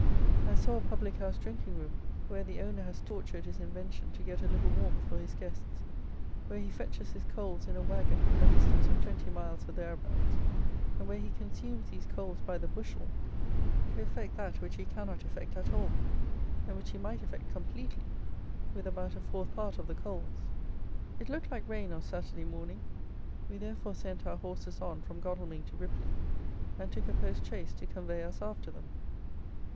I saw a public house drinking room, where the owner has tortured his invention to get a little warmth for his guests, where he fetches his coals in a waggon from a distance of twenty miles or thereabouts, and where he consumes these coals by the bushel, to effect that which he cannot effect at all, and which he might effect completely with about a fourth part of the coals. It looked like rain on Saturday morning, we therefore sent our horses on from Godalming to Ripley, and took a post chaise to convey us after them.